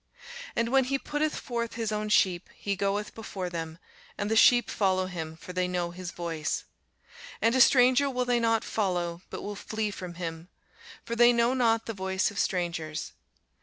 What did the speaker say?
And when he putteth forth his own sheep, he goeth before them, and the sheep follow him: for they know his voice. And a stranger will they not follow, but will flee from him: for they know not the voice of strangers.